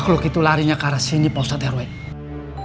makhluk itu larinya ke arah sini pak aduh berat sebenernya ninggalin ya